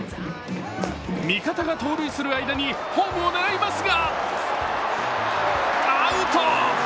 味方が盗塁する間にホームを狙いますが、アウト。